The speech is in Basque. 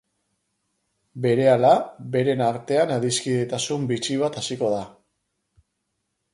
Berehala, beren artean adiskidetasun bitxi bat hasiko da.